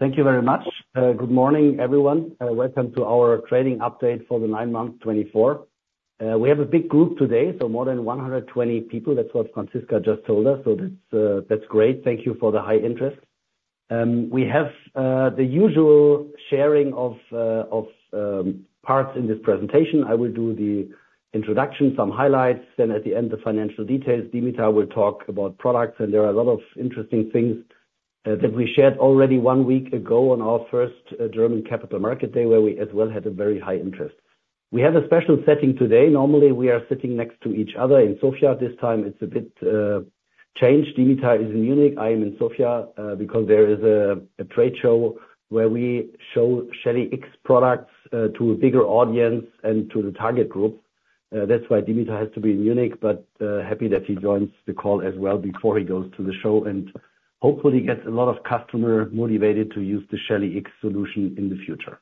Thank you very much. Good morning, everyone. Welcome to our trading update for the nine-month 2024. We have a big group today, so more than 120 people. That's what Franziska just told us. So that's great. Thank you for the high interest. We have the usual sharing of parts in this presentation. I will do the introduction, some highlights, then at the end, the financial details. Dimitar will talk about products, and there are a lot of interesting things that we shared already one week ago on our first German Capital Market Day, where we as well had a very high interest. We have a special setting today. Normally, we are sitting next to each other in Sofia. This time, it's a bit changed. Dimitar is in Munich. I am in Sofia because there is a trade show where we show Shelly X products to a bigger audience and to the target group. That's why Dimitar has to be in Munich, but happy that he joins the call as well before he goes to the show and hopefully gets a lot of customers motivated to use the Shelly X solution in the future.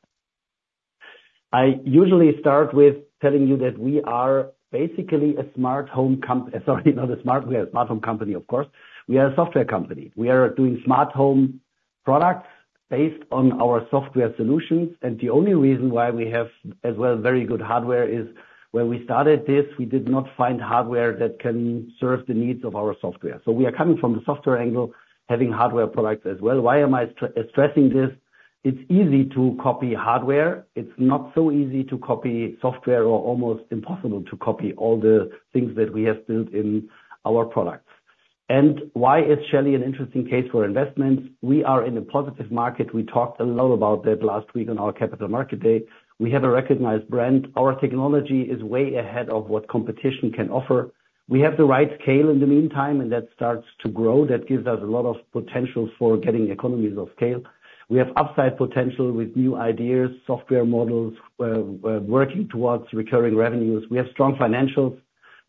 I usually start with telling you that we are basically a smart home company, sorry, not a smart home company, of course. We are a software company. We are doing smart home products based on our software solutions. The only reason why we have as well very good hardware is when we started this, we did not find hardware that can serve the needs of our software. So we are coming from the software angle, having hardware products as well. Why am I stressing this? It's easy to copy hardware. It's not so easy to copy software or almost impossible to copy all the things that we have built in our products, and why is Shelly an interesting case for investments? We are in a positive market. We talked a lot about that last week on our Capital Market Day. We have a recognized brand. Our technology is way ahead of what competition can offer. We have the right scale in the meantime, and that starts to grow. That gives us a lot of potential for getting economies of scale. We have upside potential with new ideas, software models working towards recurring revenues. We have strong financials.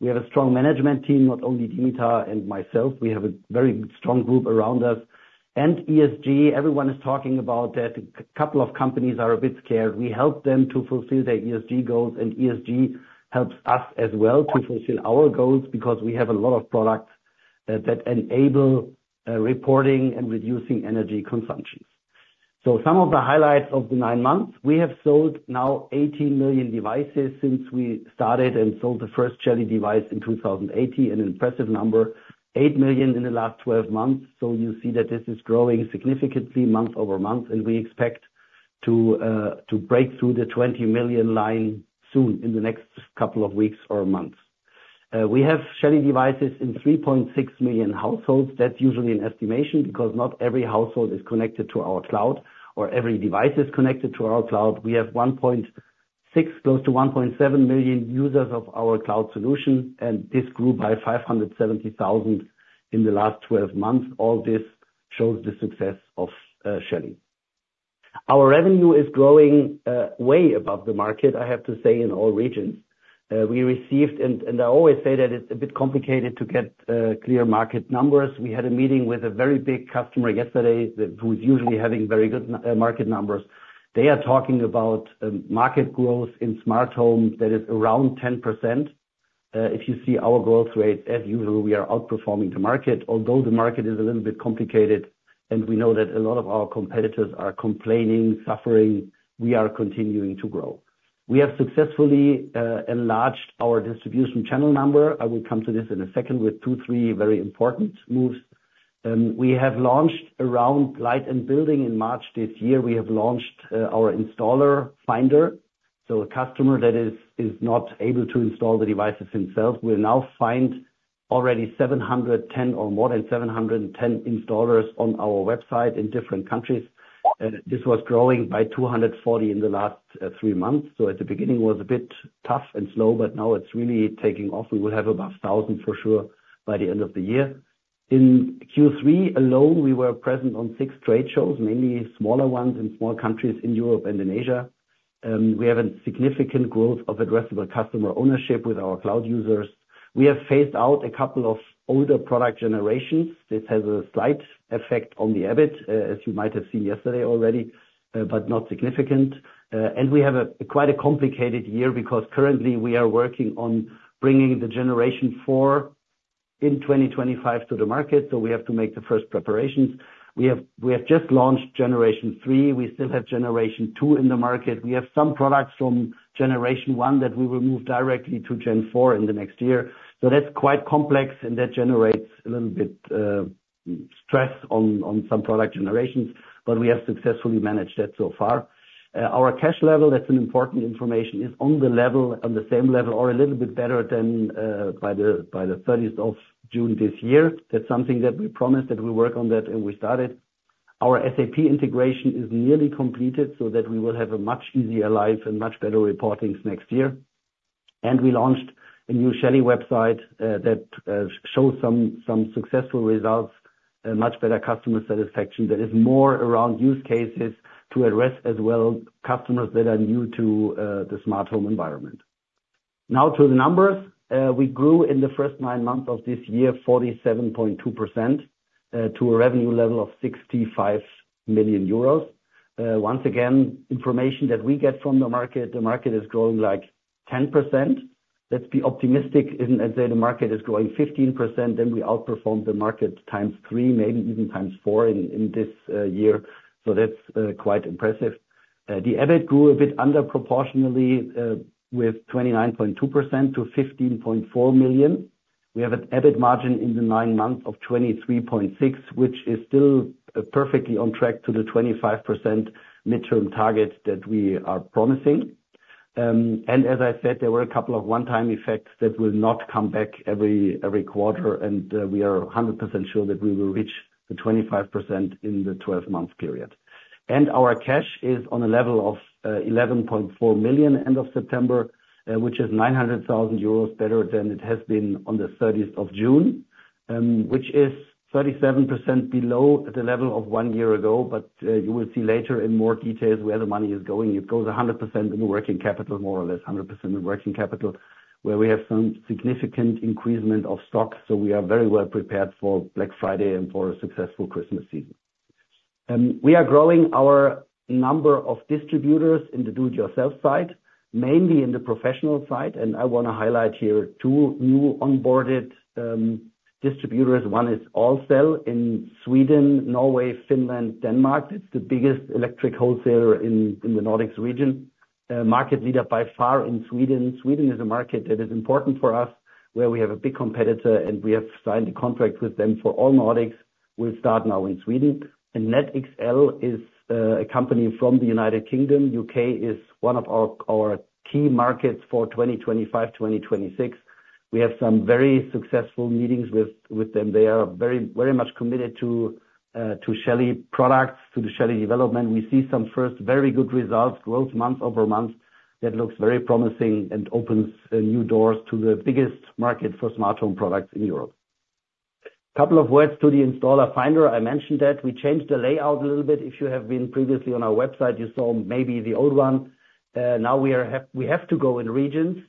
We have a strong management team, not only Dimitar and myself. We have a very strong group around us, and ESG, everyone is talking about that. A couple of companies are a bit scared. We help them to fulfill their ESG goals, and ESG helps us as well to fulfill our goals because we have a lot of products that enable reporting and reducing energy consumption. So some of the highlights of the 9 months, we have sold now 18 million devices since we started and sold the first Shelly device in 2018, an impressive number, 8 million in the last 12 months. So you see that this is growing significantly month-over-month, and we expect to break through the 20 million line soon in the next couple of weeks or months. We have Shelly devices in 3.6 million households. That's usually an estimation because not every household is connected to our cloud or every device is connected to our cloud. We have close to 1.7 million users of our cloud solution, and this grew by 570,000 in the last 12 months. All this shows the success of Shelly. Our revenue is growing way above the market, I have to say, in all regions. We received, and I always say that it's a bit complicated to get clear market numbers. We had a meeting with a very big customer yesterday who is usually having very good market numbers. They are talking about market growth in smart home that is around 10%. If you see our growth rate, as usual, we are outperforming the market, although the market is a little bit complicated, and we know that a lot of our competitors are complaining, suffering. We are continuing to grow. We have successfully enlarged our distribution channel number. I will come to this in a second with two, three very important moves. We have launched around Light + Building in March this year. We have launched our installer finder, so a customer that is not able to install the devices himself. We now find already 710 or more than 710 installers on our website in different countries. This was growing by 240 in the last three months. So at the beginning, it was a bit tough and slow, but now it's really taking off. We will have about 1,000 for sure by the end of the year. In Q3 alone, we were present on six trade shows, mainly smaller ones in small countries in Europe and in Asia. We have a significant growth of addressable customer ownership with our cloud users. We have phased out a couple of older product generations. This has a slight effect on the EBIT, as you might have seen yesterday already, but not significant. We have quite a complicated year because currently we are working on bringing the Generation 4 in 2025 to the market. We have to make the first preparations. We have just launched Generation 3. We still have Generation 2 in the market. We have some products from Generation 1 that we will move directly to Gen 4 in the next year. That's quite complex, and that generates a little bit of stress on some product generations, but we have successfully managed that so far. Our cash level, that's an important information, is on the level, on the same level or a little bit better than by the 30th of June this year. That's something that we promised that we work on that, and we started. Our SAP integration is nearly completed so that we will have a much easier life and much better reporting next year. We launched a new Shelly website that shows some successful results, much better customer satisfaction. That is more around use cases to address as well customers that are new to the smart home environment. Now to the numbers. We grew in the first nine months of this year 47.2% to a revenue level of 65 million euros. Once again, information that we get from the market, the market is growing like 10%. Let's be optimistic and say the market is growing 15%. Then we outperformed the market 3x, maybe even 4x in this year. So that's quite impressive. The EBIT grew a bit underproportionally with 29.2% to 15.4 million. We have an EBIT margin in the nine months of 23.6%, which is still perfectly on track to the 25% midterm target that we are promising. As I said, there were a couple of one-time effects that will not come back every quarter, and we are 100% sure that we will reach the 25% in the 12-month period. Our cash is on a level of 11.4 million at the end of September, which is 900,000 euros better than it has been on the 30th of June, which is 37% below the level of one year ago. You will see later in more details where the money is going. It goes 100% in working capital, more or less 100% in working capital, where we have some significant increasement of stock. We are very well prepared for Black Friday and for a successful Christmas season. We are growing our number of distributors in the do-it-yourself side, mainly in the professional side. I want to highlight here two new onboarded distributors. One is Ahlsell in Sweden, Norway, Finland, Denmark. It's the biggest electric wholesaler in the Nordics region, market leader by far in Sweden. Sweden is a market that is important for us, where we have a big competitor, and we have signed a contract with them for all Nordics. We'll start now in Sweden, and NetXL is a company from the United Kingdom. U.K. is one of our key markets for 2025, 2026. We have some very successful meetings with them. They are very much committed to Shelly products, to the Shelly development. We see some first very good results, growth month-over-month. That looks very promising and opens new doors to the biggest market for smart home products in Europe. A couple of words to the installer finder. I mentioned that we changed the layout a little bit. If you have been previously on our website, you saw maybe the old one. Now we have to go in regions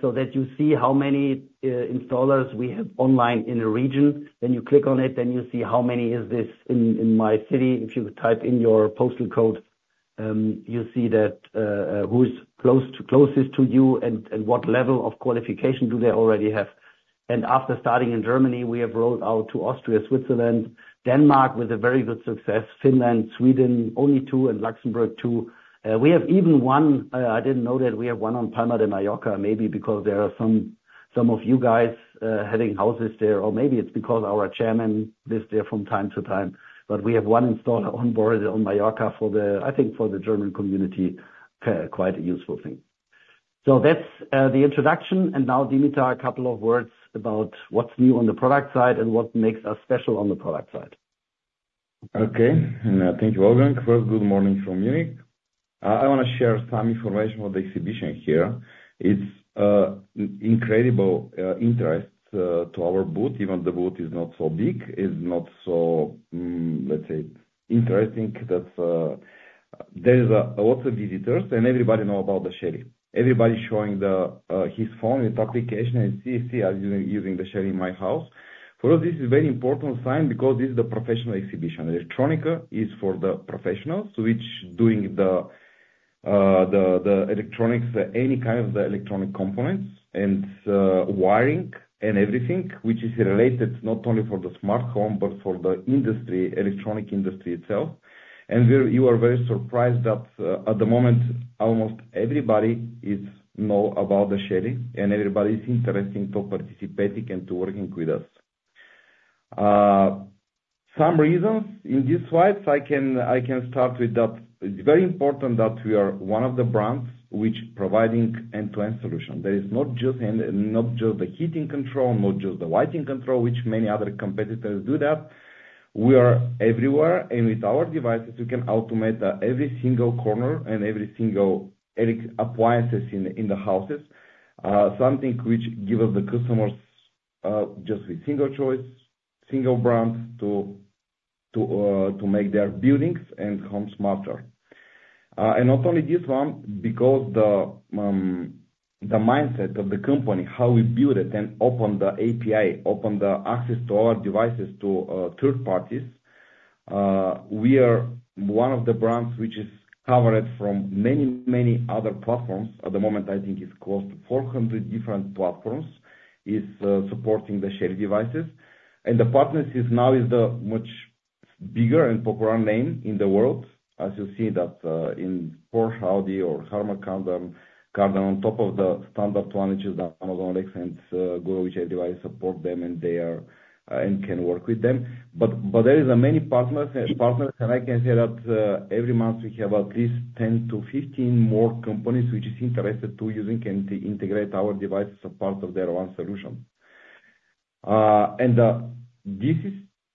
so that you see how many installers we have online in a region. Then you click on it, then you see how many is this in my city. If you type in your postal code, you see who's closest to you and what level of qualification do they already have, and after starting in Germany, we have rolled out to Austria, Switzerland, Denmark with a very good success, Finland, Sweden, only two, and Luxembourg two. We have even one. I didn't know that we have one on Palma de Mallorca, maybe because there are some of you guys having houses there, or maybe it's because our chairman lives there from time to time. We have one installer onboarded on Mallorca for the, I think, for the German community, quite a useful thing. That's the introduction. Now, Dimitar, a couple of words about what's new on the product side and what makes us special on the product side. Okay. And thank you, Wolfgang. Good morning from Munich. I want to share some information of the exhibition here. It's incredible interest to our booth. Even the booth is not so big, is not so, let's say, interesting. There are lots of visitors, and everybody knows about the Shelly. Everybody's showing his phone with application and see, see, I'm using the Shelly in my house. For us, this is a very important sign because this is a professional exhibition. Electronica is for the professionals which are doing the electronics, any kind of the electronic components and wiring and everything, which is related not only for the smart home, but for the industry, electronic industry itself. And you are very surprised that at the moment, almost everybody knows about the Shelly, and everybody is interested in participating and working with us. Some reasons in these slides. I can start with that it's very important that we are one of the brands which are providing end-to-end solutions. There is not just the heating control, not just the lighting control, which many other competitors do that. We are everywhere. And with our devices, we can automate every single corner and every single appliances in the houses, something which gives the customers just with single choice, single brand to make their buildings and homes smarter. And not only this one, because the mindset of the company, how we build it and open the API, open the access to our devices to third parties, we are one of the brands which is covered from many, many other platforms. At the moment, I think it's close to 400 different platforms supporting the Shelly devices. The partnership now is the much bigger and popular name in the world. As you see that in Porsche, Audi, or Harman Kardon, on top of the standard one, which is Amazon Alexa and Google, which our devices support them, and they can work with them. But there are many partners, and I can say that every month we have at least 10 to 15 more companies which are interested in using and integrating our devices as part of their own solution. And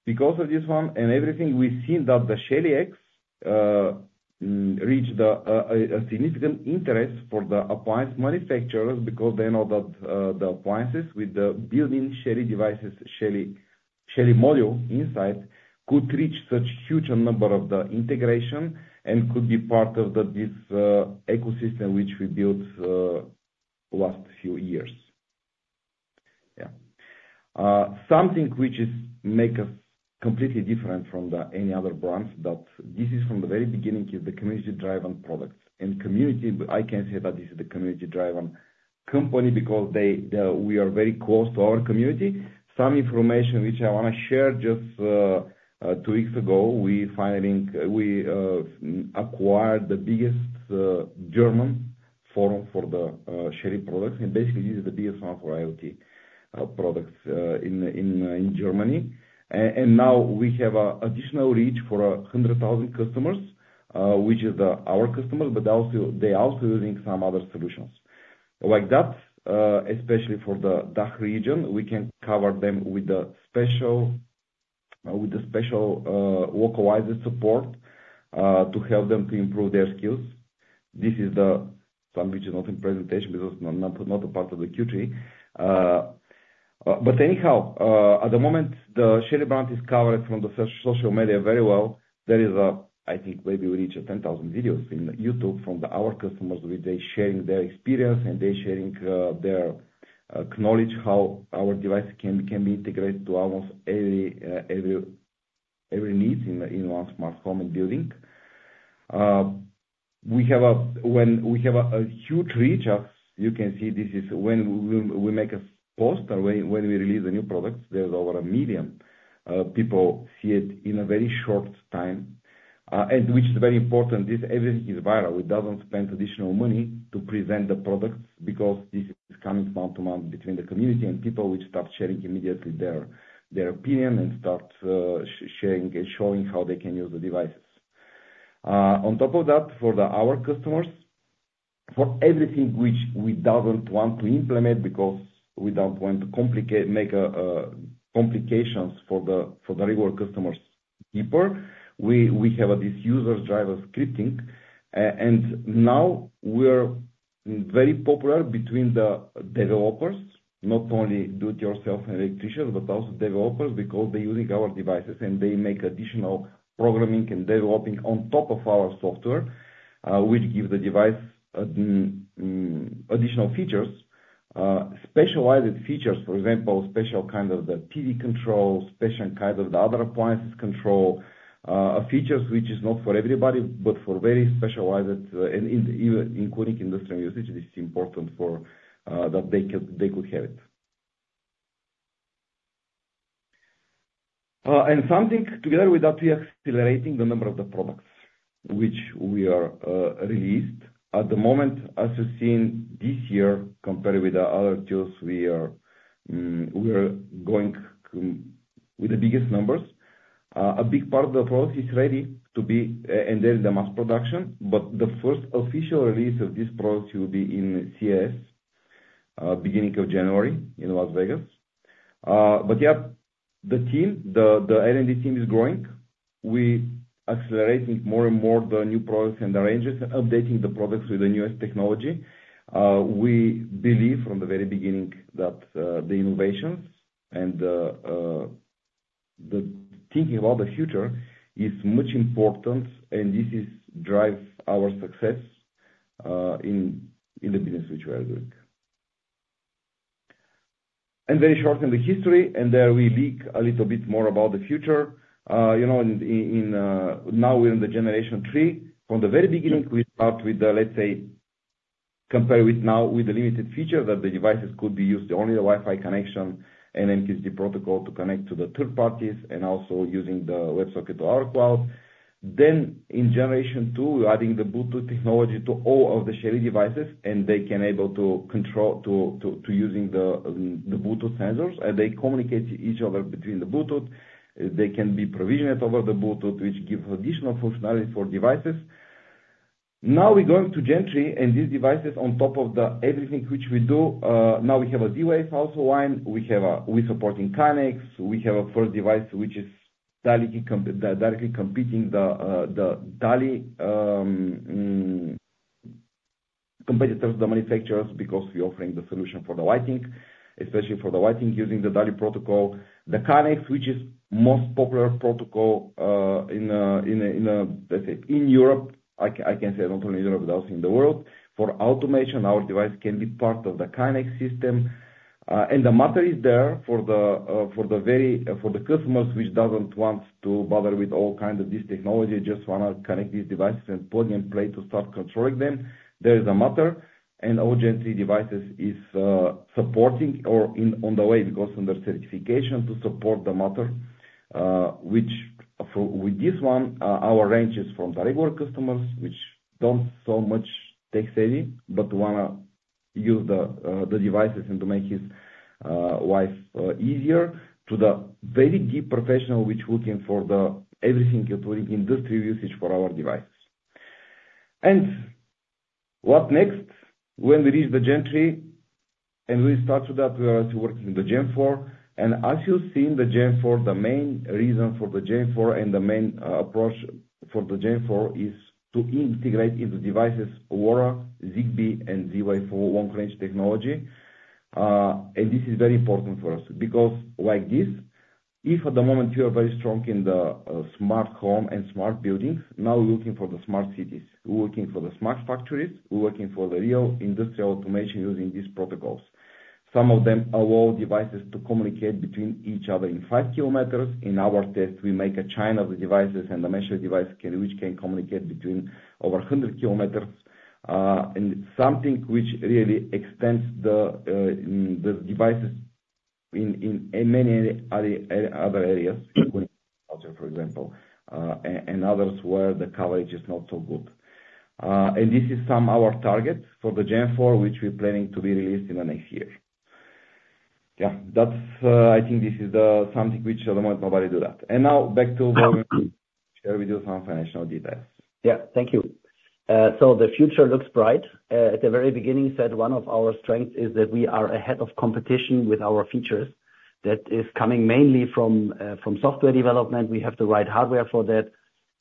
because of this one and everything, we've seen that the Shelly X reached a significant interest for the appliance manufacturers because they know that the appliances with the built-in Shelly devices, Shelly module inside could reach such a huge number of the integration and could be part of this ecosystem which we built the last few years. Yeah. Something which makes us completely different from any other brands is that this is from the very beginning, the community-driven products. And community, I can say that this is the community-driven company because we are very close to our community. Some information which I want to share, just two weeks ago, we acquired the biggest German forum for the Shelly products. And basically, this is the biggest one for IoT products in Germany. And now we have an additional reach for 100,000 customers, which is our customers, but they're also using some other solutions. Like that, especially for the DACH region, we can cover them with the special localized support to help them to improve their skills. This is something which is not in the presentation because it's not a part of the Q3. But anyhow, at the moment, the Shelly brand is covered on social media very well. There is a, I think, maybe we reached 10,000 videos in YouTube from our customers where they're sharing their experience and they're sharing their knowledge how our devices can be integrated to almost every need in one smart home and building. When we have a huge reach, as you can see, this is when we make a post or when we release a new product, there's over 1 million people see it in a very short time, which is very important. Everything is viral. We don't spend additional money to present the products because this is coming month to month between the community and people which start sharing immediately their opinion and start sharing and showing how they can use the devices. On top of that, for our customers, for everything which we don't want to implement because we don't want to make complications for the regular customers deeper, we have this user-driven scripting. And now we're very popular between the developers, not only do-it-yourself and electricians, but also developers because they're using our devices and they make additional programming and developing on top of our software, which gives the device additional features, specialized features, for example, special kind of the TV control, special kind of the other appliances control, features which are not for everybody, but for very specialized, including industry users, it is important that they could have it. And something together with that, we are accelerating the number of the products which we have released. At the moment, as you've seen this year, compared with the other tools, we are going with the biggest numbers. A big part of the product is ready to be in mass production, but the first official release of this product will be at CES beginning of January in Las Vegas. Yeah, the team, the R&D team is growing. We are accelerating more and more the new products and the ranges and updating the products with the newest technology. We believe from the very beginning that the innovations and the thinking about the future is much important, and this drives our success in the business which we are doing. Very short in the history, and there we leak a little bit more about the future. Now we're in the Generation 3. From the very beginning, we start with the, let's say, compare with now with the limited feature that the devices could be used only the Wi-Fi connection and MQTT protocol to connect to the third parties and also using the WebSocket to our cloud. Then in Generation 2, we're adding the Bluetooth technology to all of the Shelly devices, and they can be able to control to using the Bluetooth sensors, and they communicate to each other between the Bluetooth. They can be provisioned over the Bluetooth, which gives additional functionality for devices. Now we're going to Gen 3, and these devices on top of everything which we do, now we have a Z-Wave also line. We're supporting KNXnet. We have a first device which is directly competing the DALI competitors, the manufacturers, because we're offering the solution for the lighting, especially for the lighting using the DALI protocol. The KNXnet, which is the most popular protocol in, let's say, in Europe, I can say not only in Europe, but also in the world. For automation, our device can be part of the KNXnet system. The Matter is there for the customers which don't want to bother with all kinds of this technology, just want to connect these devices and plug and play to start controlling them. There is a Matter, and all Gen 3 devices are supporting or on the way because under certification to support the Matter, which with this one, our range is from direct work customers which don't so much tech-savvy, but want to use the devices and to make his life easier to the very deep professional which is looking for everything including industry usage for our devices. What next when we reach the Gen 3? We start with that. We are also working with the Gen 4. As you've seen, the Gen 4, the main reason for the Gen 4 and the main approach for the Gen 4 is to integrate into devices Matter, Zigbee, and Z-Wave long-range technology. This is very important for us because like this, if at the moment you are very strong in the smart home and smart buildings, now we're looking for the smart cities. We're working for the smart factories. We're working for the real industrial automation using these protocols. Some of them allow devices to communicate between each other in 5 km. In our test, we make a chain of the devices, and the measure device which can communicate between over 100 km. Something which really extends the devices in many other areas, including agriculture, for example, and others where the coverage is not so good. This is some of our targets for the Gen 4, which we're planning to be released in the next year. Yeah, I think this is something which at the moment nobody does that. Now back to Wolfgang to share with you some financial details. Yeah, thank you. So the future looks bright. At the very beginning, you said one of our strengths is that we are ahead of competition with our features. That is coming mainly from software development. We have the right hardware for that.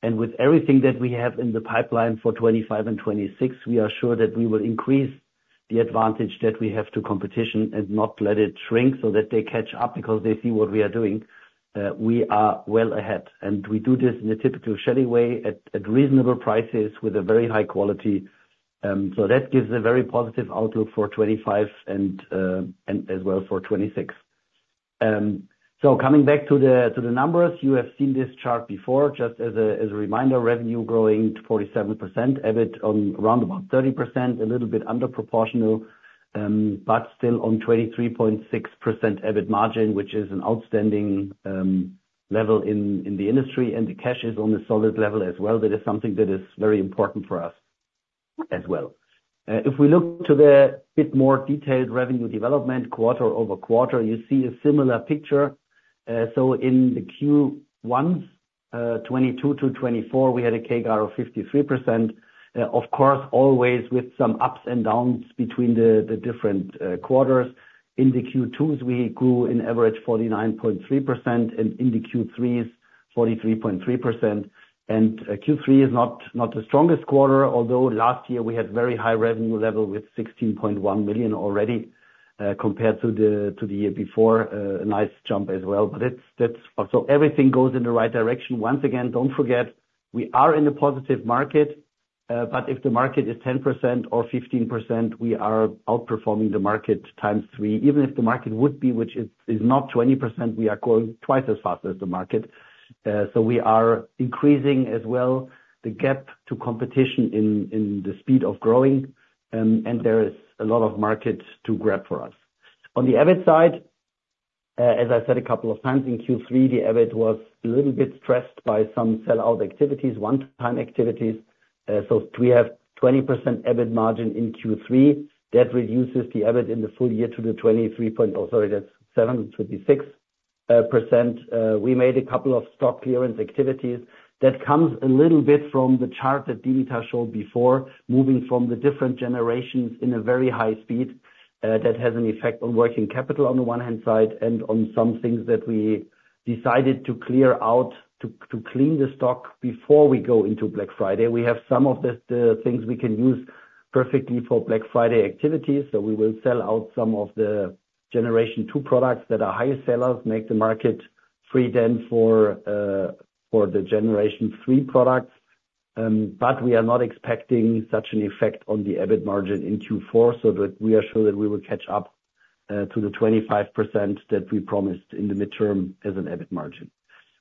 And with everything that we have in the pipeline for 2025 and 2026, we are sure that we will increase the advantage that we have to competition and not let it shrink so that they catch up because they see what we are doing. We are well ahead. And we do this in a typical Shelly way at reasonable prices with a very high quality. So that gives a very positive outlook for 2025 and as well for 2026. So coming back to the numbers, you have seen this chart before. Just as a reminder, revenue growing 47%, EBIT around about 30%, a little bit underproportional, but still on 23.6% EBIT margin, which is an outstanding level in the industry, and the cash is on a solid level as well. That is something that is very important for us as well. If we look to the bit more detailed revenue development quarter-over-quarter, you see a similar picture. So in the Q1s, 2022 to 2024, we had a CAGR of 53%. Of course, always with some ups and downs between the different quarters. In the Q2s, we grew in average 49.3%, and in the Q3s, 43.3%. And Q3 is not the strongest quarter, although last year we had a very high revenue level with 16.1 million already compared to the year before. A nice jump as well, but so everything goes in the right direction. Once again, don't forget, we are in a positive market, but if the market is 10% or 15%, we are outperforming the market 3x. Even if the market would be, which is not 20%, we are going twice as fast as the market. So we are increasing as well the gap to competition in the speed of growing, and there is a lot of market to grab for us. On the EBIT side, as I said a couple of times, in Q3, the EBIT was a little bit stressed by some sell-out activities, one-time activities. So we have 20% EBIT margin in Q3. That reduces the EBIT in the full year to the 23%. Sorry, that's 7 to the 6%. We made a couple of stock clearance activities. That comes a little bit from the chart that Dimitar showed before, moving from the different generations in a very high speed. That has an effect on working capital on the one hand side and on some things that we decided to clear out to clean the stock before we go into Black Friday. We have some of the things we can use perfectly for Black Friday activities. So we will sell out some of the Generation 2 products that are high sellers, make the market free then for the Generation 3 products. But we are not expecting such an effect on the EBIT margin in Q4 so that we are sure that we will catch up to the 25% that we promised in the midterm as an EBIT margin.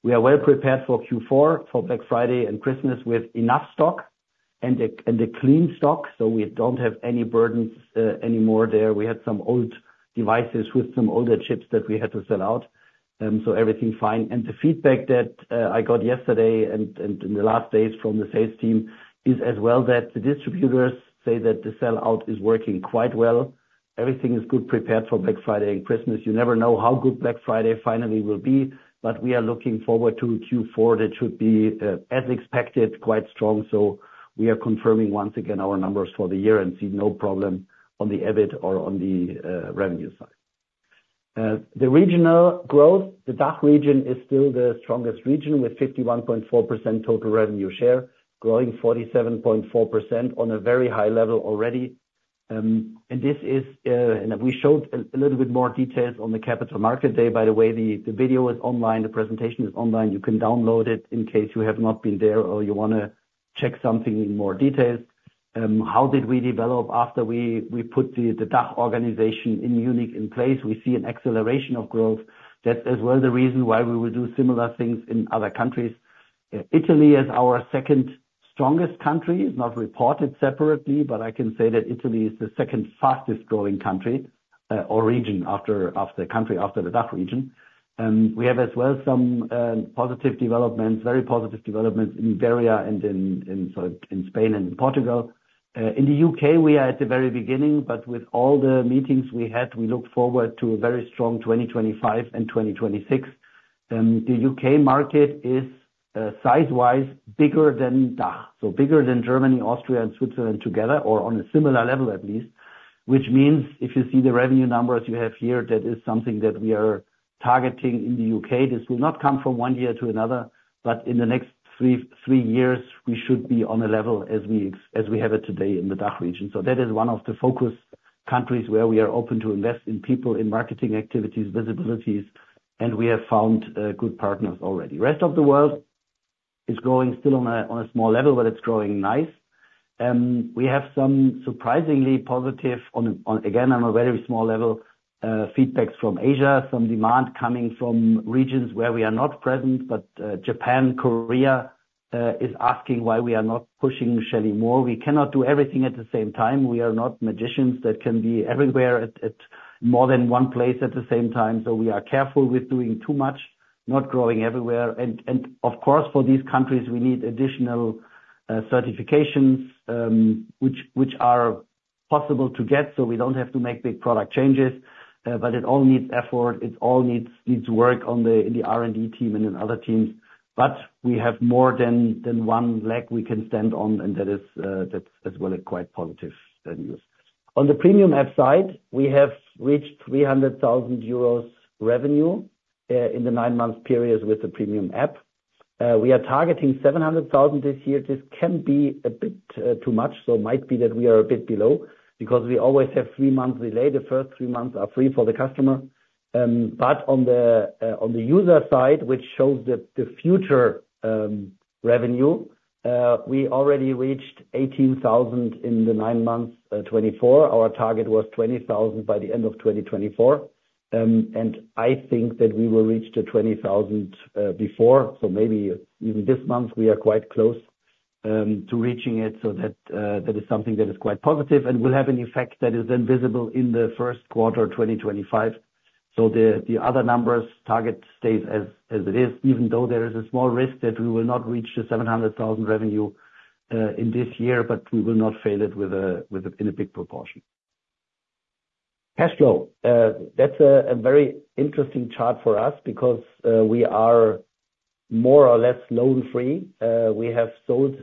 We are well prepared for Q4, for Black Friday and Christmas with enough stock and a clean stock. We don't have any burdens anymore there. We had some old devices with some older chips that we had to sell out. So everything fine. And the feedback that I got yesterday and in the last days from the sales team is as well that the distributors say that the sell-out is working quite well. Everything is good prepared for Black Friday and Christmas. You never know how good Black Friday finally will be, but we are looking forward to Q4. It should be, as expected, quite strong. So we are confirming once again our numbers for the year and see no problem on the EBIT or on the revenue side. The regional growth, the DACH region is still the strongest region with 51.4% total revenue share, growing 47.4% on a very high level already. And we showed a little bit more details on the Capital Market Day. By the way, the video is online. The presentation is online. You can download it in case you have not been there or you want to check something in more details. How did we develop after we put the DACH organization in Munich in place? We see an acceleration of growth. That's as well the reason why we will do similar things in other countries. Italy is our second strongest country. It's not reported separately, but I can say that Italy is the second fastest growing country or region after the country after the DACH region. We have as well some positive developments, very positive developments in Bavaria and in Spain and in Portugal. In the U.K., we are at the very beginning, but with all the meetings we had, we look forward to a very strong 2025 and 2026. The U.K. market is size-wise bigger than DACH, so bigger than Germany, Austria, and Switzerland together, or on a similar level at least, which means if you see the revenue numbers you have here, that is something that we are targeting in the U.K. This will not come from one year to another, but in the next three years, we should be on a level as we have it today in the DACH region. So that is one of the focus countries where we are open to invest in people, in marketing activities, visibilities, and we have found good partners already. The rest of the world is growing still on a small level, but it's growing nice. We have some surprisingly positive, again, on a very small level, feedbacks from Asia, some demand coming from regions where we are not present, but Japan, Korea is asking why we are not pushing Shelly more. We cannot do everything at the same time. We are not magicians that can be everywhere at more than one place at the same time. So we are careful with doing too much, not growing everywhere. And of course, for these countries, we need additional certifications which are possible to get so we don't have to make big product changes, but it all needs effort. It all needs work on the R&D team and in other teams. But we have more than one leg we can stand on, and that is as well quite positive news. On the premium app side, we have reached 300,000 euros revenue in the nine-month period with the premium app. We are targeting 700,000 this year. This can be a bit too much, so it might be that we are a bit below because we always have three months delay. The first three months are free for the customer. But on the user side, which shows the future revenue, we already reached 18,000 in the nine months 2024. Our target was 20,000 by the end of 2024, and I think that we will reach the 20,000 before. So maybe even this month, we are quite close to reaching it. So that is something that is quite positive and will have an effect that is then visible in the first quarter of 2025. So the other numbers target stays as it is, even though there is a small risk that we will not reach the 700,000 revenue in this year, but we will not fail it in a big proportion. Cash flow. That's a very interesting chart for us because we are more or less loan-free. We have sold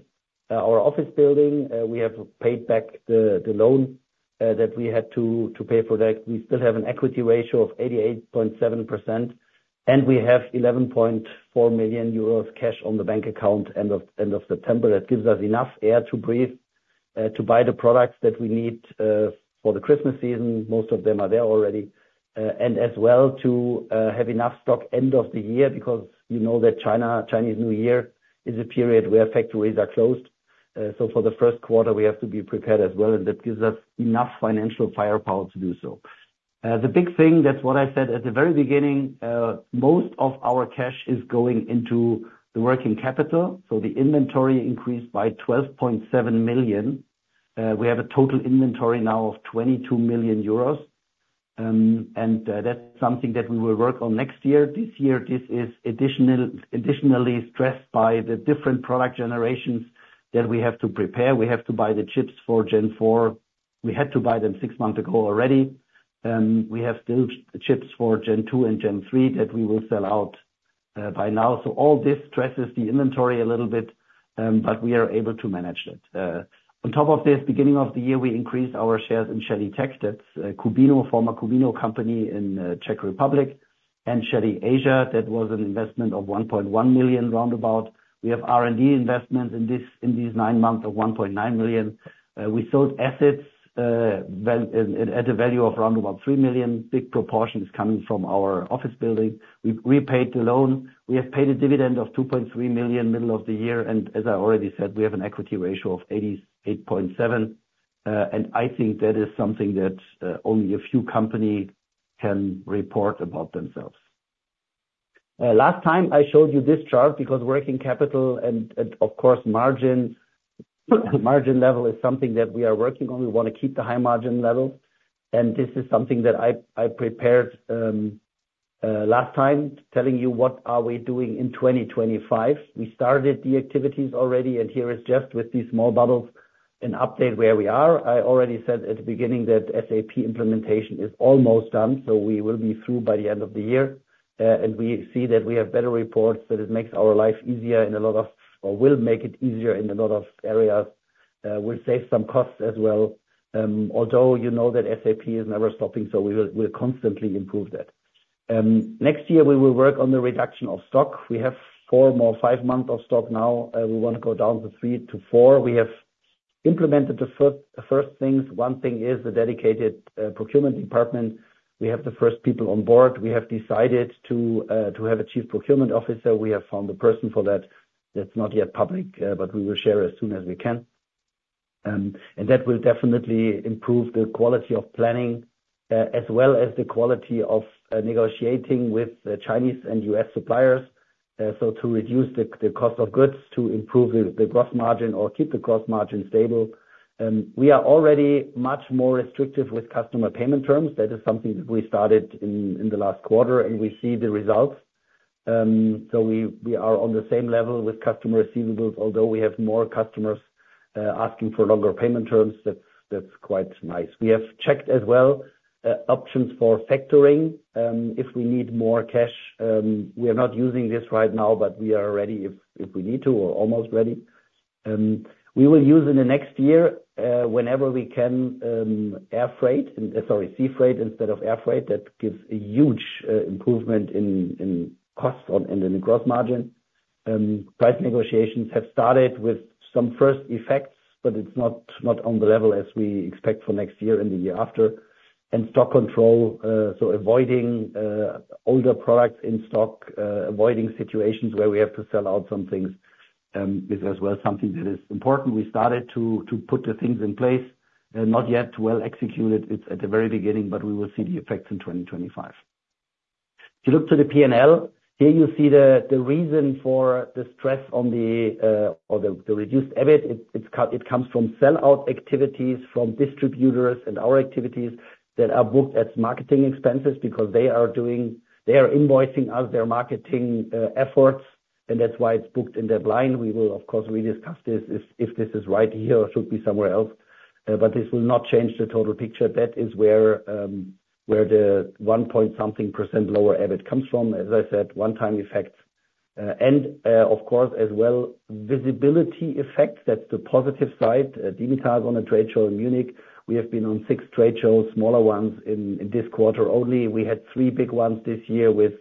our office building. We have paid back the loan that we had to pay for that. We still have an equity ratio of 88.7%, and we have € 11.4 million cash on the bank account end of September. That gives us enough air to breathe to buy the products that we need for the Christmas season. Most of them are there already. And as well to have enough stock end of the year because you know that Chinese New Year is a period where factories are closed. So for the first quarter, we have to be prepared as well, and that gives us enough financial firepower to do so. The big thing, that's what I said at the very beginning, most of our cash is going into the working capital. The inventory increased by 12.7 million. We have a total inventory now of 22 million euros. And that's something that we will work on next year. This year, this is additionally stressed by the different product generations that we have to prepare. We have to buy the chips for Gen 4. We had to buy them six months ago already. We have still chips for Gen 2 and Gen 3 that we will sell out by now. So all this stresses the inventory a little bit, but we are able to manage that. On top of this, beginning of the year, we increased our shares in Shelly Tech. That's Qubino, former Qubino company in Czech Republic, and Shelly Asia. That was an investment of 1.1 million roundabout. We have R&D investments in these nine months of 1.9 million. We sold assets at a value of roundabout 3 million big proportion is coming from our office building. We paid the loan. We have paid a dividend of 2.3 million middle of the year, and as I already said, we have an equity ratio of 88.7%. I think that is something that only a few companies can report about themselves. Last time, I showed you this chart because working capital and, of course, margin level is something that we are working on. We want to keep the high margin level, and this is something that I prepared last time, telling you what are we doing in 2025. We started the activities already, and here is just with these small bubbles an update where we are. I already said at the beginning that SAP implementation is almost done, so we will be through by the end of the year. We see that we have better reports that it makes our life easier in a lot of areas or will make it easier in a lot of areas. We'll save some costs as well, although you know that SAP is never stopping, so we will constantly improve that. Next year, we will work on the reduction of stock. We have four- to five months of stock now. We want to go down to three to four. We have implemented the first things. One thing is the dedicated procurement department. We have the first people on board. We have decided to have a chief procurement officer. We have found the person for that. That's not yet public, but we will share as soon as we can. And that will definitely improve the quality of planning as well as the quality of negotiating with Chinese and U.S. suppliers. So, to reduce the cost of goods, to improve the gross margin or keep the gross margin stable. We are already much more restrictive with customer payment terms. That is something that we started in the last quarter, and we see the results. So we are on the same level with customer receivables, although we have more customers asking for longer payment terms. That's quite nice. We have checked as well options for factoring if we need more cash. We are not using this right now, but we are ready if we need to or almost ready. We will use in the next year whenever we can air freight, sorry, sea freight, instead of air freight. That gives a huge improvement in cost and in the gross margin. Price negotiations have started with some first effects, but it's not on the level as we expect for next year and the year after, and stock control, so avoiding older products in stock, avoiding situations where we have to sell out some things is as well something that is important. We started to put the things in place. Not yet well executed. It's at the very beginning, but we will see the effects in 2025. If you look to the P&L, here you see the reason for the stress on the reduced EBIT. It comes from sell-out activities from distributors and our activities that are booked as marketing expenses because they are invoicing us their marketing efforts, and that's why it's booked in the blind. We will, of course, rediscuss this if this is right here or should be somewhere else, but this will not change the total picture. That is where the one point something percent lower EBIT comes from, as I said, one-time effects, and, of course, as well, visibility effect. That's the positive side. Dimitar is on a trade show in Munich. We have been on six trade shows, smaller ones in this quarter only. We had three big ones this year with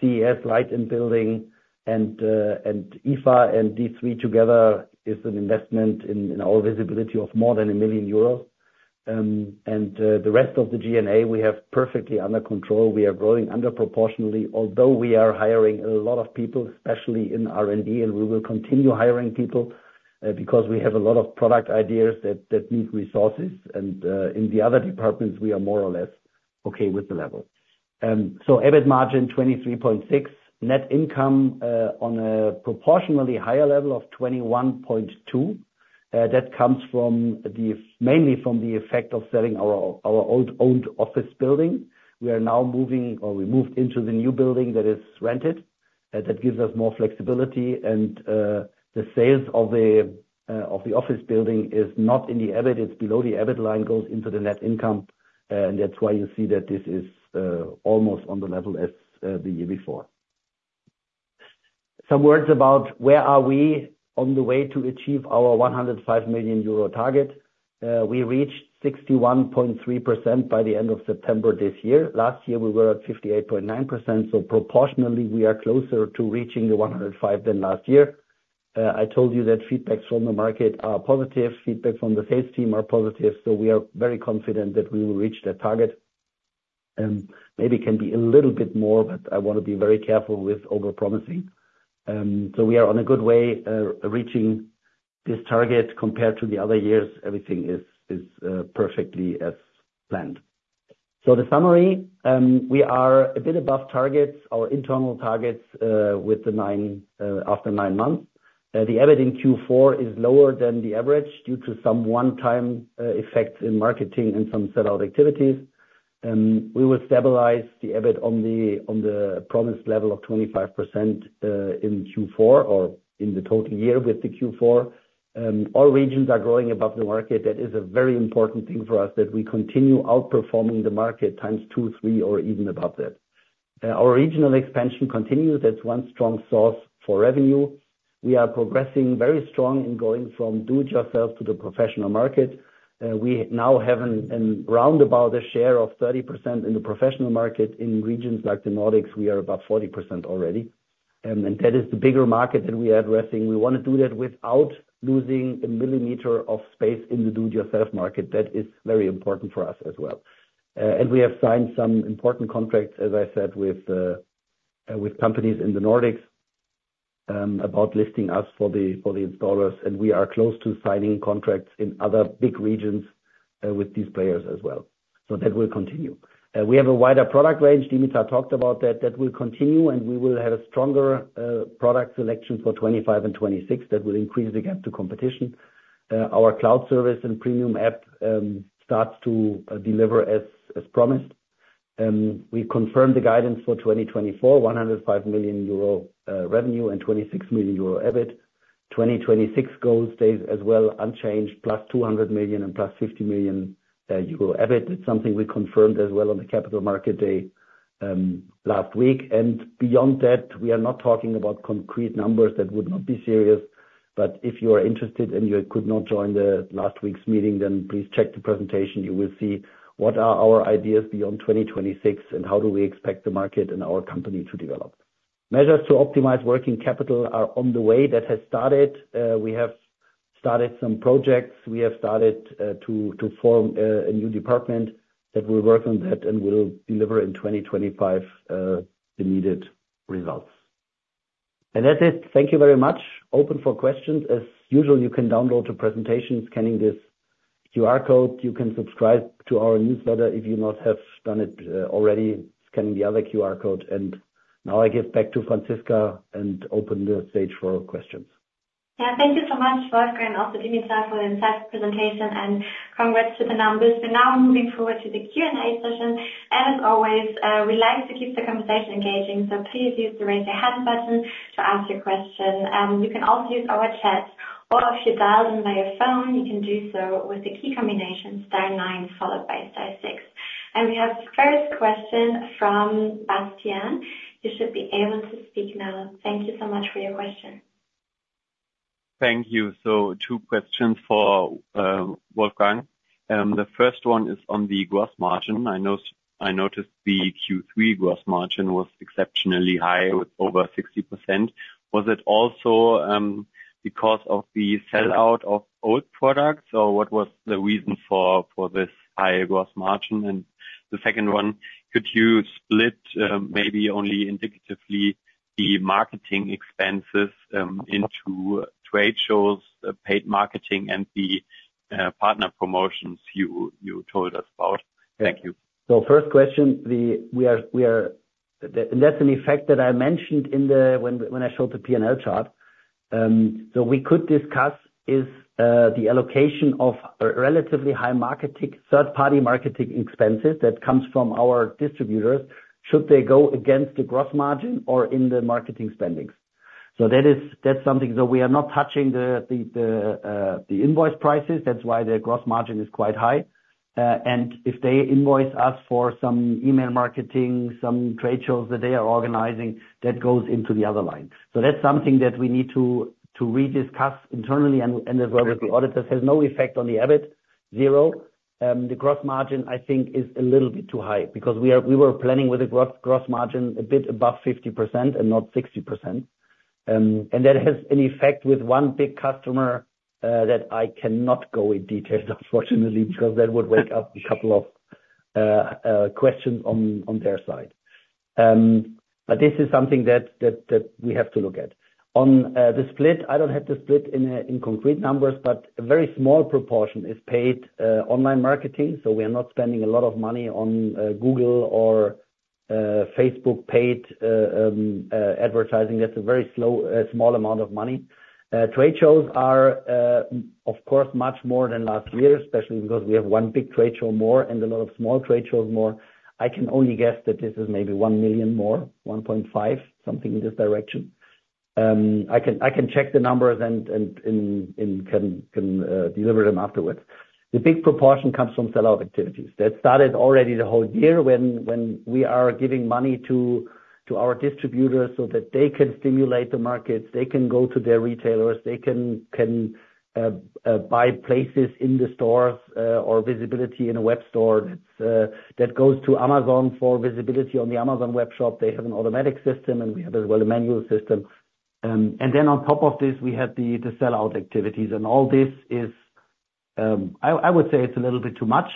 CES, Light + Building, and IFA, and these three together is an investment in our visibility of more than 1 million euros, and the rest of the G&A, we have perfectly under control. We are growing underproportionally, although we are hiring a lot of people, especially in R&D, and we will continue hiring people because we have a lot of product ideas that need resources, and in the other departments, we are more or less okay with the level, so EBIT margin 23.6%, net income on a proportionally higher level of 21.2%. That comes mainly from the effect of selling our old office building. We are now moving, or we moved into the new building that is rented. That gives us more flexibility. And the sales of the office building is not in the EBIT. It's below the EBIT line, goes into the net income. And that's why you see that this is almost on the level as the year before. Some words about where are we on the way to achieve our 105 million euro target. We reached 61.3% by the end of September this year. Last year, we were at 58.9%. So proportionally, we are closer to reaching the 105 than last year. I told you that feedbacks from the market are positive. Feedback from the sales team are positive. So we are very confident that we will reach that target. Maybe it can be a little bit more, but I want to be very careful with overpromising. So we are on a good way to reaching this target compared to the other years. Everything is perfectly as planned. So the summary, we are a bit above targets, our internal targets after nine months. The EBIT in Q4 is lower than the average due to some one-time effects in marketing and some sell-out activities. We will stabilize the EBIT on the promised level of 25% in Q4 or in the total year with the Q4. All regions are growing above the market. That is a very important thing for us that we continue outperforming the market 2x, 3x, or even above that. Our regional expansion continues. That's one strong source for revenue. We are progressing very strong in going from do-it-yourself to the professional market. We now have a roundabout share of 30% in the professional market. In regions like the Nordics, we are about 40% already, and that is the bigger market that we are addressing. We want to do that without losing a millimeter of space in the do-it-yourself market. That is very important for us as well, and we have signed some important contracts, as I said, with companies in the Nordics about listing us for the installers, and we are close to signing contracts in other big regions with these players as well, so that will continue. We have a wider product range. Dimitar talked about that. That will continue, and we will have a stronger product selection for 2025 and 2026. That will increase the gap to competition. Our cloud service and premium app starts to deliver as promised. We confirmed the guidance for 2024, 105 million euro revenue and 26 million euro EBIT. 2026 goals stay as well unchanged, plus 200 million and plus 50 million euro EBIT. That's something we confirmed as well on the Capital Market Day last week. And beyond that, we are not talking about concrete numbers. That would not be serious. But if you are interested and you could not join last week's meeting, then please check the presentation. You will see what are our ideas beyond 2026 and how do we expect the market and our company to develop. Measures to optimize working capital are on the way. That has started. We have started some projects. We have started to form a new department that will work on that and will deliver in 2025 the needed results. And that's it. Thank you very much. Open for questions. As usual, you can download the presentation scanning this QR code. You can subscribe to our newsletter if you not have done it already, scanning the other QR code. And now I give back to Franziska and open the stage for questions. Yeah, thank you so much, Wolfgang, also Dimitar for the insightful presentation. And congrats to the numbers. We're now moving forward to the Q&A session. And as always, we like to keep the conversation engaging, so please use the raise your hand button to ask your question. You can also use our chat, or if you dialed in by your phone, you can do so with the key combination star nine followed by star six. And we have the first question from Bastian. You should be able to speak now. Thank you so much for your question. Thank you. So two questions for Wolfgang. The first one is on the gross margin. I noticed the Q3 gross margin was exceptionally high with over 60%. Was it also because of the sell-out of old products, or what was the reason for this high gross margin? And the second one, could you split maybe only indicatively the marketing expenses into trade shows, paid marketing, and the partner promotions you told us about? Thank you. First question, and that's an effect that I mentioned when I showed the P&L chart. We could discuss the allocation of relatively high marketing, third-party marketing expenses that comes from our distributors. Should they go against the gross margin or in the marketing spendings? That's something. We are not touching the invoice prices. That's why the gross margin is quite high. And if they invoice us for some email marketing, some trade shows that they are organizing, that goes into the other line. That's something that we need to rediscuss internally. And as well with the auditors, has no effect on the EBIT, zero. The gross margin, I think, is a little bit too high because we were planning with a gross margin a bit above 50% and not 60%. That has an effect with one big customer that I cannot go in detail, unfortunately, because that would wake up a couple of questions on their side. But this is something that we have to look at. On the split, I don't have to split in concrete numbers, but a very small proportion is paid online marketing. So we are not spending a lot of money on Google or Facebook paid advertising. That's a very small amount of money. Trade shows are, of course, much more than last year, especially because we have one big trade show more and a lot of small trade shows more. I can only guess that this is maybe 1 million more, 1.5, something in this direction. I can check the numbers and can deliver them afterwards. The big proportion comes from sell-out activities. That started already the whole year when we are giving money to our distributors so that they can stimulate the markets. They can go to their retailers. They can buy places in the stores or visibility in a web store. That goes to Amazon for visibility on the Amazon web shop. They have an automatic system, and we have as well a manual system, and then on top of this, we have the sell-out activities, and all this is, I would say, it's a little bit too much,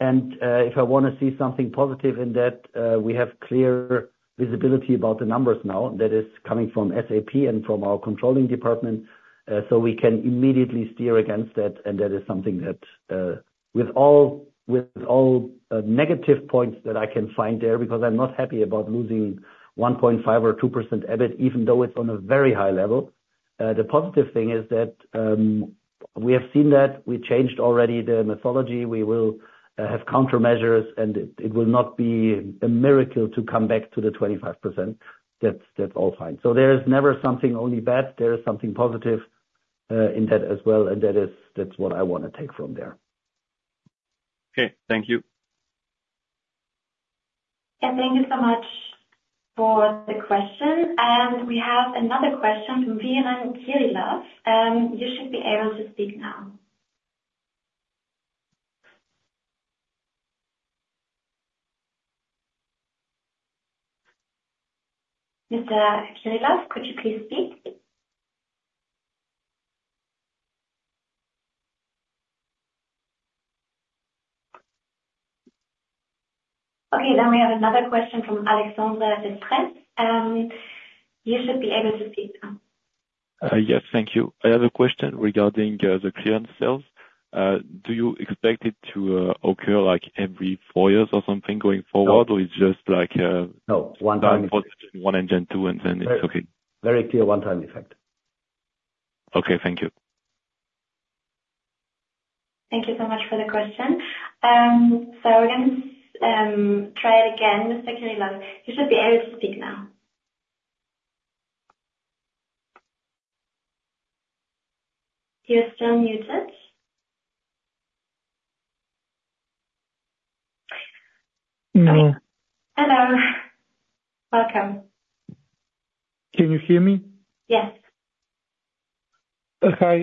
and if I want to see something positive in that, we have clear visibility about the numbers now. That is coming from SAP and from our controlling department, so we can immediately steer against that. And that is something that, with all negative points that I can find there, because I'm not happy about losing 1.5%-2% EBIT, even though it's on a very high level. The positive thing is that we have seen that. We changed already the methodology. We will have countermeasures, and it will not be a miracle to come back to the 25%. That's all fine. So there is never something only bad. There is something positive in that as well. And that's what I want to take from there. Okay. Thank you. Yeah, thank you so much for the question. And we have another question from Viran Kirilov. You should be able to speak now. Mr. Kirilov, could you please speak? Okay. Then we have another question from Alexandre Destrait. You should be able to speak now. Yes, thank you. I have a question regarding the clearance sales. Do you expect it to occur every four years or something going forward, or it's just like one time effect? No, one-time effect. One and then two, and then it's okay. Very clear one-time effect. Okay. Thank you. Thank you so much for the question. So we're going to try it again, Mr. Kirilov. You should be able to speak now. You're still muted. Hello. Hello. Welcome. Can you hear me? Yes. Hi.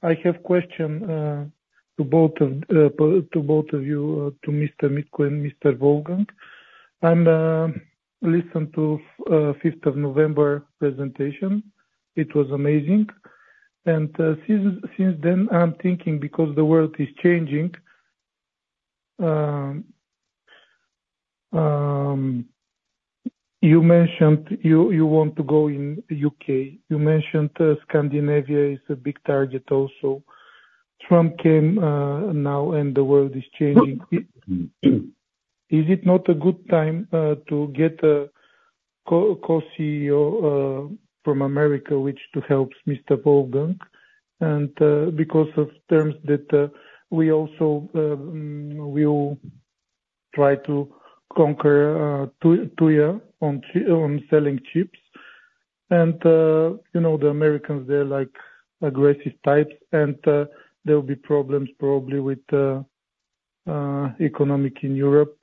I have a question to both of you, to Mr. Mitko and Mr. Wolfgang. I listened to the 5th of November presentation. It was amazing. And since then, I'm thinking because the world is changing, you mentioned you want to go in the U.K. You mentioned Scandinavia is a big target also. Trump came now, and the world is changing. Is it not a good time to get a co-CEO from America, which helps Mr. Wolfgang, because of terms that we also will try to conquer the U.S. on selling chips? And the Americans, they're aggressive types, and there will be problems probably with the economy in Europe.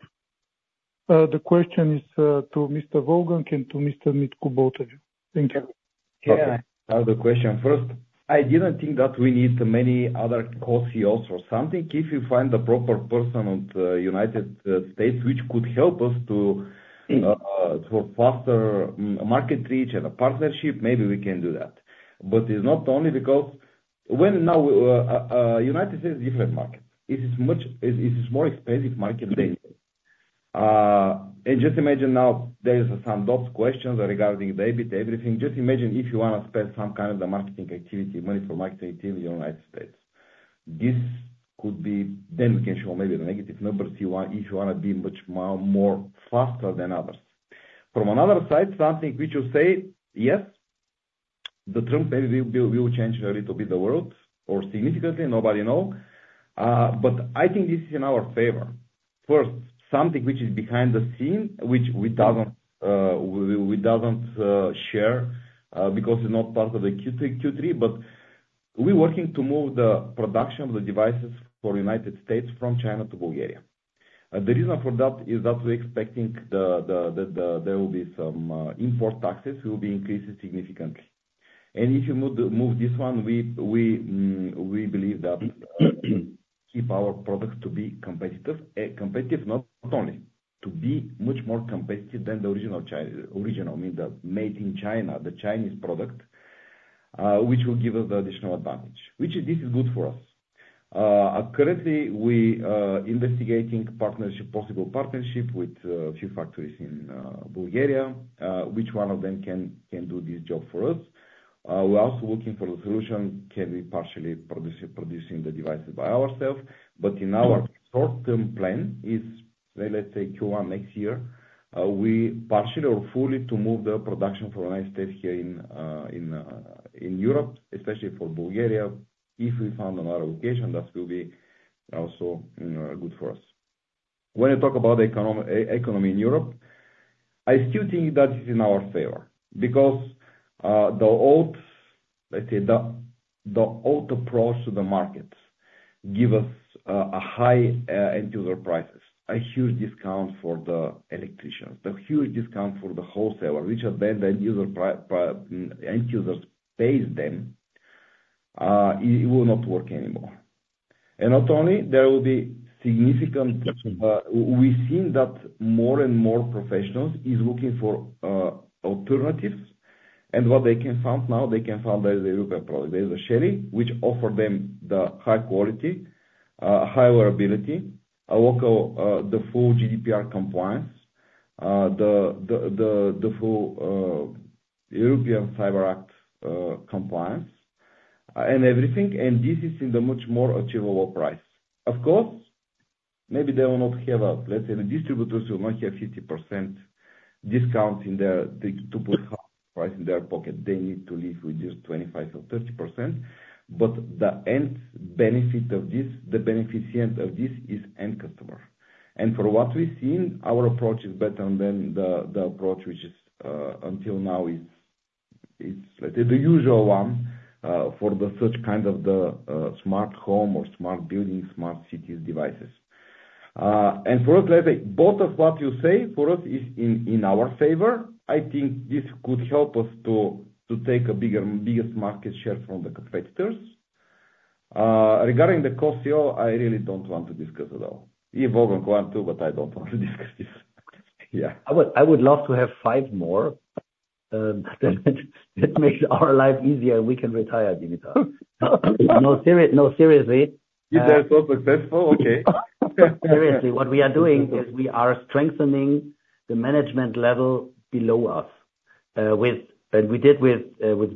The question is to Mr. Wolfgang and to Mr. Mitko, both of you. Thank you. Yeah. I have a question first. I didn't think that we need many other co-CEOs or something. If you find the proper person in the United States, which could help us for faster market reach and a partnership, maybe we can do that. But it's not only because now the United States is a different market. It's a much more expensive market than this. And just imagine now there's some doubts, questions regarding the EBIT, everything. Just imagine if you want to spend some kind of marketing activity, money for marketing activity in the United States. This could be, then we can show maybe the negative numbers if you want to be much more faster than others. From another side, something which you say, yes, the Trump maybe will change a little bit the world or significantly, nobody knows. But I think this is in our favor. First, something which is behind the scenes, which we don't share because it's not part of the Q3. But we're working to move the production of the devices for the United States from China to Bulgaria. The reason for that is that we're expecting there will be some import taxes which will be increasing significantly. And if we move this one, we believe that will keep our products to be competitive, not only to be much more competitive than the original, meaning the made in China, the Chinese product, which will give us the additional advantage, which this is good for us. Currently, we are investigating possible partnerships with a few factories in Bulgaria, one of which can do this job for us. We're also looking for the solution. Can we partially produce the devices by ourselves? But in our short-term plan, let's say Q1 next year, we partially or fully move the production from the United States here in Europe, especially for Bulgaria. If we found another location, that will be also good for us. When I talk about the economy in Europe, I still think that it's in our favor because the old, let's say, the old approach to the markets gives us high end-user prices, a huge discount for the electricians, a huge discount for the wholesaler, which then the end-users pay them. It will not work anymore. And not only there will be significant we've seen that more and more professionals are looking for alternatives. And what they can find now, they can find there is a European product. There's a Shelly, which offers them the high quality, high availability, the full GDPR compliance, the full European Cyber Act compliance, and everything. And this is in the much more achievable price. Of course, maybe they will not have a, let's say, the distributors will not have 50% discount to put half price in their pocket. They need to live with just 25% or 30%. But the end benefit of this, the beneficiary of this is end customer. And for what we've seen, our approach is better than the approach which until now is, let's say, the usual one for such kind of the smart home or smart building, smart city devices. And for us, let's say, both of what you say for us is in our favor. I think this could help us to take a bigger market share from the competitors. Regarding the co-CEO, I really don't want to discuss at all. If Wolfgang wants to, but I don't want to discuss this. Yeah. I would love to have five more. That makes our life easier. We can retire, Dimitar. No, seriously. If they're so successful, okay. Seriously, what we are doing is we are strengthening the management level below us. And we did with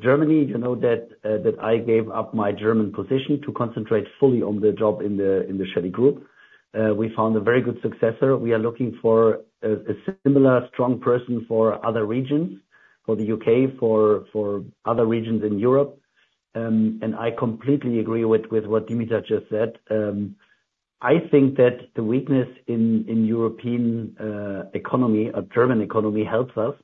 Germany that I gave up my German position to concentrate fully on the job in the Shelly Group. We found a very good successor. We are looking for a similar strong person for other regions, for the U.K., for other regions in Europe. And I completely agree with what Dimitar just said. I think that the weakness in European economy or German economy helps us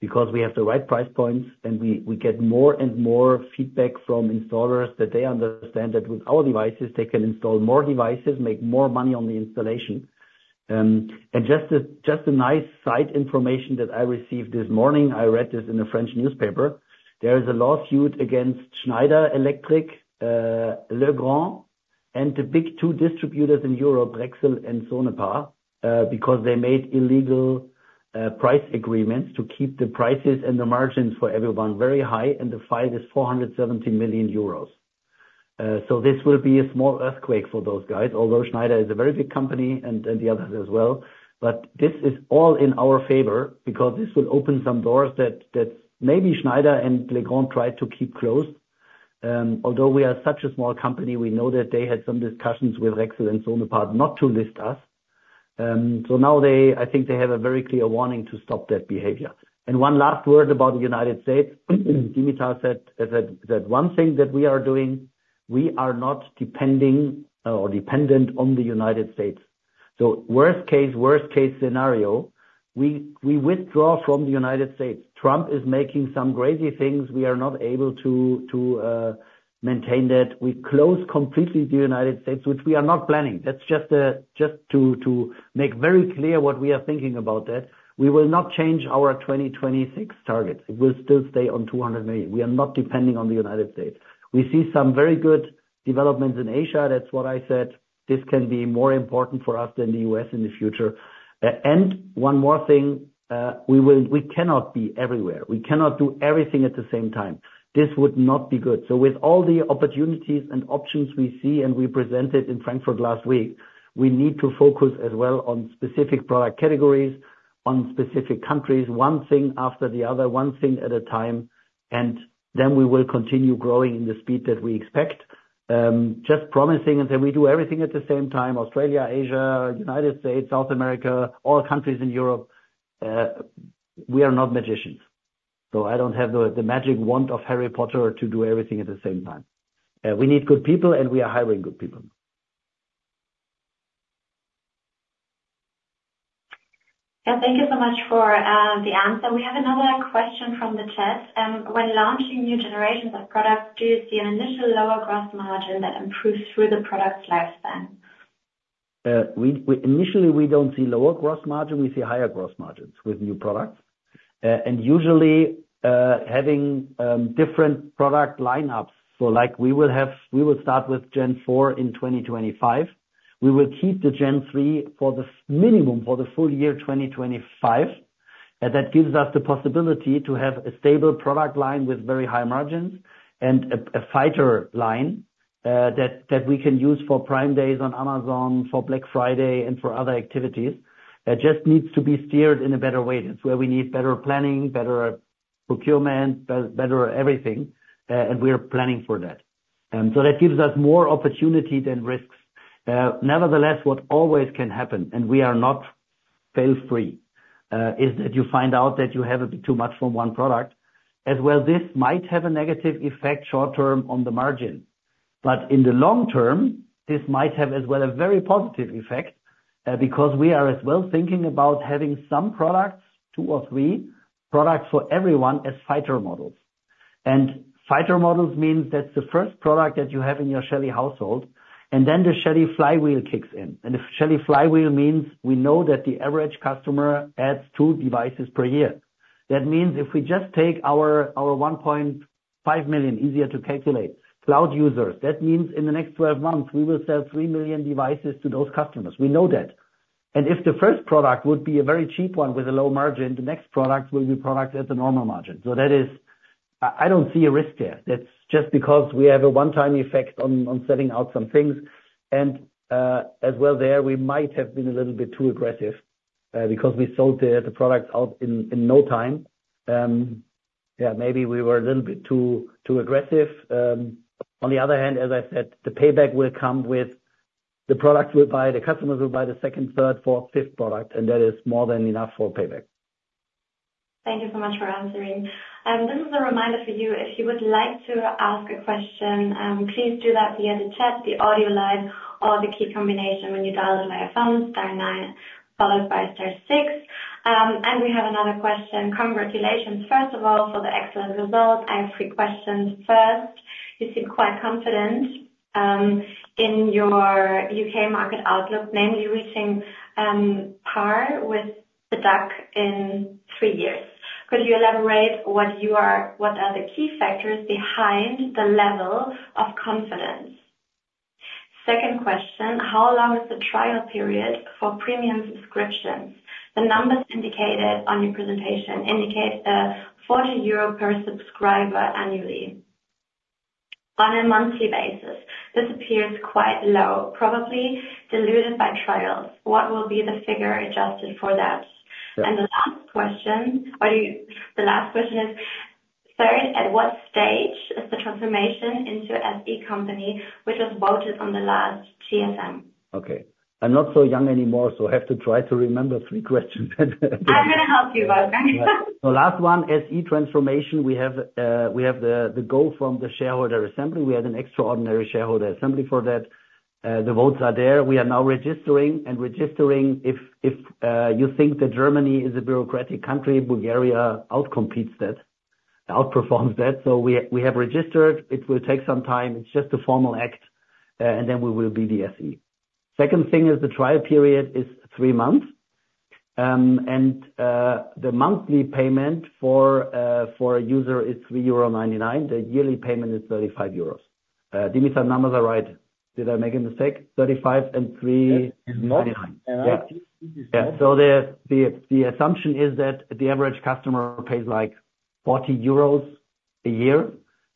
because we have the right price points, and we get more and more feedback from installers that they understand that with our devices, they can install more devices, make more money on the installation. And just a nice side information that I received this morning, I read this in a French newspaper. There is a lawsuit against Schneider Electric, Legrand, and the big two distributors in Europe, Rexel and Sonepar, because they made illegal price agreements to keep the prices and the margins for everyone very high, and the fine is 470 million euros. This will be a small earthquake for those guys, although Schneider is a very big company and the others as well. This is all in our favor because this will open some doors that maybe Schneider and Legrand tried to keep closed. Although we are such a small company, we know that they had some discussions with Rexel and Sonepar not to list us. Now I think they have a very clear warning to stop that behavior. One last word about the United States. Dimitar said one thing that we are doing, we are not depending or dependent on the United States. Worst case, worst case scenario, we withdraw from the United States. Trump is making some crazy things. We are not able to maintain that. We close completely the United States, which we are not planning. That's just to make very clear what we are thinking about that. We will not change our 2026 targets. It will still stay on 200 million. We are not depending on the United States. We see some very good developments in Asia. That's what I said. This can be more important for us than the U.S. in the future. And one more thing, we cannot be everywhere. We cannot do everything at the same time. This would not be good. With all the opportunities and options we see and we presented in Frankfurt last week, we need to focus as well on specific product categories, on specific countries, one thing after the other, one thing at a time. Then we will continue growing in the speed that we expect. We are not promising that we do everything at the same time, Australia, Asia, United States, South America, all countries in Europe. We are not magicians. I don't have the magic wand of Harry Potter to do everything at the same time. We need good people, and we are hiring good people. Yeah. Thank you so much for the answer. We have another question from the chat. When launching new generations of products, do you see an initial lower gross margin that improves through the product's lifespan? Initially, we don't see lower gross margin. We see higher gross margins with new products, and usually having different product lineups, so we will start with Gen 4 in 2025. We will keep the Gen 3 for the minimum for the full year 2025, and that gives us the possibility to have a stable product line with very high margins and a fighter line that we can use for Prime Days on Amazon, for Black Friday, and for other activities. It just needs to be steered in a better way. That's where we need better planning, better procurement, better everything, and we're planning for that, and so that gives us more opportunity than risks. Nevertheless, what always can happen, and we are not fail-free, is that you find out that you have a bit too much from one product. As well, this might have a negative effect short-term on the margin. But in the long term, this might have as well a very positive effect because we are as well thinking about having some products, two or three products for everyone as fighter models. And fighter models means that's the first product that you have in your Shelly household, and then the Shelly flywheel kicks in. And the Shelly flywheel means we know that the average customer adds two devices per year. That means if we just take our 1.5 million, easier to calculate, cloud users, that means in the next 12 months, we will sell three million devices to those customers. We know that. And if the first product would be a very cheap one with a low margin, the next product will be products at the normal margin. So I don't see a risk there. That's just because we have a one-time effect on selling out some things, and as well there, we might have been a little bit too aggressive because we sold the products out in no time. Yeah, maybe we were a little bit too aggressive. On the other hand, as I said, the payback will come with the products we buy. The customers will buy the second, third, fourth, fifth product, and that is more than enough for payback. Thank you so much for answering. This is a reminder for you. If you would like to ask a question, please do that via the chat, the audio live, or the key combination when you dialed in via phone, star nine, followed by star six. We have another question. Congratulations, first of all, for the excellent result. I have three questions. First, you seem quite confident in your U.K. market outlook, namely reaching par with the DACH in three years. Could you elaborate what are the key factors behind the level of confidence? Second question, how long is the trial period for premium subscriptions? The numbers indicated on your presentation indicate a 40 euro per subscriber annually on a monthly basis. This appears quite low, probably diluted by trials. What will be the figure adjusted for that? The last question, or the last question is, third, at what stage is the transformation into SE company, which was voted on the last GSM? Okay. I'm not so young anymore, so I have to try to remember three questions. I'm going to help you, Wolfgang. So last one, SE transformation. We have the goal from the shareholder assembly. We had an extraordinary shareholder assembly for that. The votes are there. We are now registering. And registering, if you think that Germany is a bureaucratic country, Bulgaria outcompetes that, outperforms that. So we have registered. It will take some time. It's just a formal act, and then we will be the SE. Second thing is the trial period is three months. And the monthly payment for a user is 3.99 euro. The yearly payment is 35 euros. Dimitar, numbers are right. Did I make a mistake? 35 and 3.99. Not right. So the assumption is that the average customer pays like € 40 a year.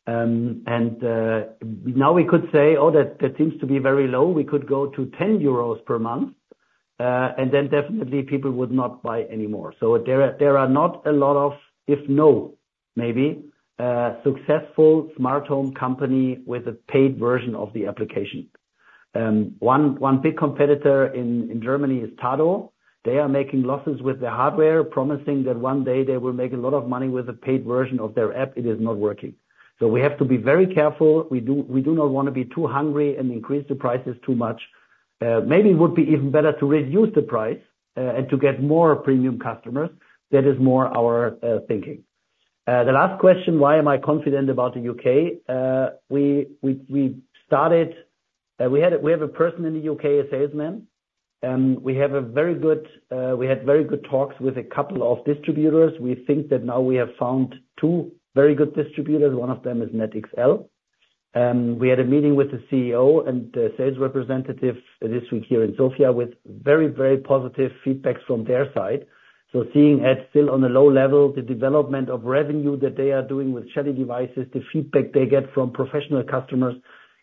And now we could say, "Oh, that seems to be very low." We could go to € 10 per month. And then definitely, people would not buy anymore. So there are not a lot of, if no, maybe, successful smart home company with a paid version of the application. One big competitor in Germany is Tado. They are making losses with their hardware, promising that one day they will make a lot of money with a paid version of their app. It is not working. So we have to be very careful. We do not want to be too hungry and increase the prices too much. Maybe it would be even better to reduce the price and to get more premium customers. That is more our thinking. The last question, why am I confident about the U.K.? We started. We have a person in the U.K., a salesman. We have a very good, we had very good talks with a couple of distributors. We think that now we have found two very good distributors. One of them is NetXL. We had a meeting with the CEO and the sales representative this week here in Sofia with very, very positive feedback from their side. So seeing it still on a low level, the development of revenue that they are doing with Shelly devices, the feedback they get from professional customers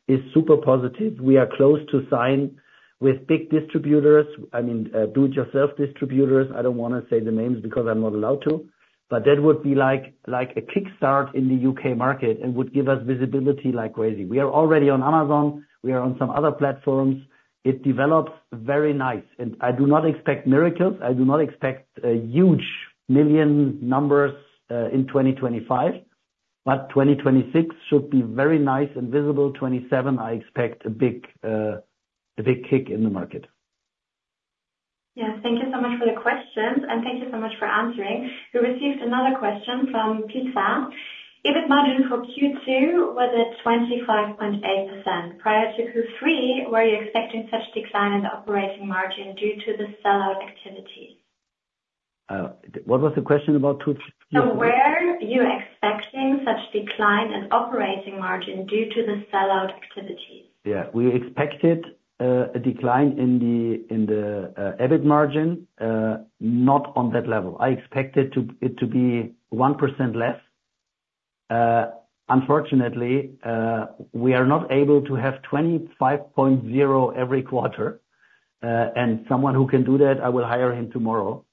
is super positive. We are close to sign with big distributors, I mean, do-it-yourself distributors. I don't want to say the names because I'm not allowed to. But that would be like a kickstart in the U.K. market and would give us visibility like crazy. We are already on Amazon. We are on some other platforms. It develops very nice, and I do not expect miracles. I do not expect huge million numbers in 2025, but 2026 should be very nice and visible. 2027, I expect a big kick in the market. Yeah. Thank you so much for the questions. Thank you so much for answering. We received another question from Pete Van. If EBIT margin for Q2 was at 25.8%, prior to Q3, were you expecting such decline in the operating margin due to the sellout activity? What was the question about Q3? So, were you expecting such a decline in operating margin due to the sellout activity? Yeah. We expected a decline in the EBIT margin, not on that level. I expected it to be 1% less. Unfortunately, we are not able to have 25.0% every quarter. And someone who can do that, I will hire him tomorrow.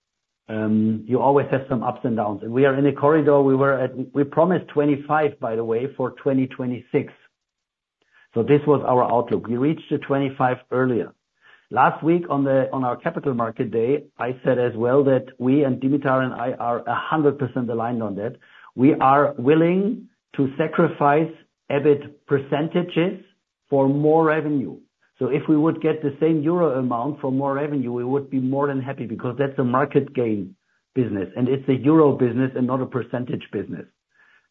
You always have some ups and downs. And we are in a corridor. We promised 25%, by the way, for 2026. So this was our outlook. We reached the 25% earlier. Last week on our Capital Market Day, I said as well that we and Dimitar and I are 100% aligned on that. We are willing to sacrifice EBIT percentages for more revenue. So if we would get the same euro amount for more revenue, we would be more than happy because that's a market gain business. And it's a euro business and not a percentage business.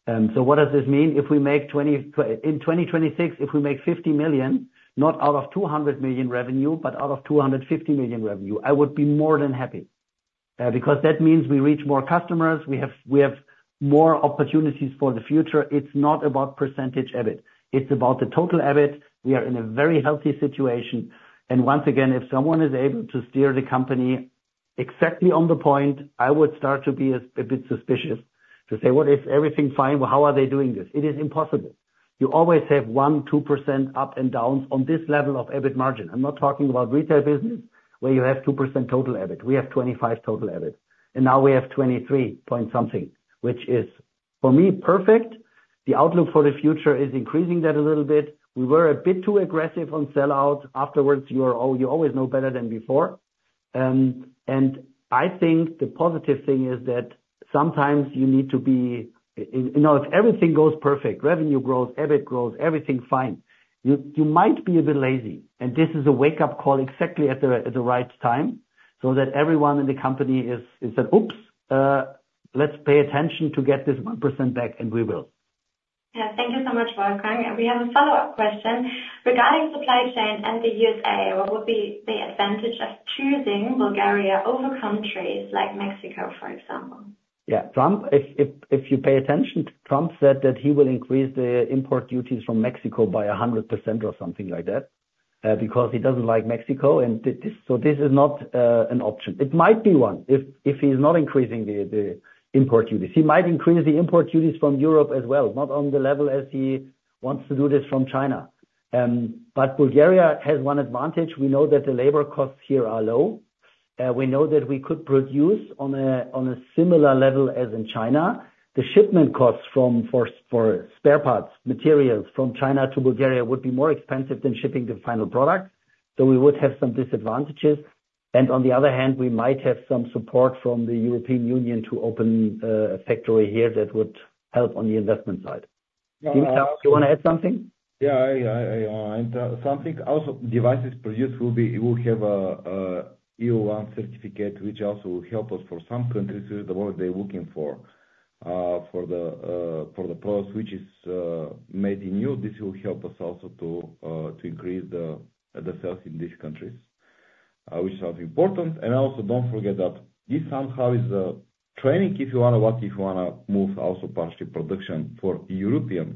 So what does this mean? In 2026, if we make 50 million, not out of 200 million revenue, but out of 250 million revenue, I would be more than happy because that means we reach more customers. We have more opportunities for the future. It's not about percentage EBIT. It's about the total EBIT. We are in a very healthy situation. Once again, if someone is able to steer the company exactly on the point, I would start to be a bit suspicious to say, "What if everything's fine? How are they doing this?" It is impossible. You always have 1%-2% ups and downs on this level of EBIT margin. I'm not talking about retail business where you have 2% total EBIT. We have 25% total EBIT. Now we have 23-point-something, which is, for me, perfect. The outlook for the future is increasing that a little bit. We were a bit too aggressive on sellouts. Afterwards, you always know better than before. And I think the positive thing is that sometimes you need to be if everything goes perfect, revenue grows, EBIT grows, everything's fine, you might be a bit lazy. And this is a wake-up call exactly at the right time so that everyone in the company is that, "Oops, let's pay attention to get this 1% back," and we will. Yeah. Thank you so much, Wolfgang. We have a follow-up question. Regarding supply chain and the USA, what would be the advantage of choosing Bulgaria over countries like Mexico, for example? Yeah. If you pay attention, Trump said that he will increase the import duties from Mexico by 100% or something like that because he doesn't like Mexico. And so this is not an option. It might be one if he's not increasing the import duties. He might increase the import duties from Europe as well, not on the level as he wants to do this from China. But Bulgaria has one advantage. We know that the labor costs here are low. We know that we could produce on a similar level as in China. The shipment costs for spare parts, materials from China to Bulgaria would be more expensive than shipping the final product. So we would have some disadvantages. And on the other hand, we might have some support from the European Union to open a factory here that would help on the investment side. Dimitar, do you want to add something? Yeah. Something also, devices produced will have an EUR.1 certificate, which also will help us for some countries where they're looking for the products, which is made in Europe. This will help us also to increase the sales in these countries, which is also important. And also, don't forget that this somehow is a training if you want to move also partially production for devices